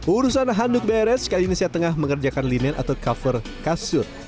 urusan handuk beres kali ini saya tengah mengerjakan linen atau cover kasur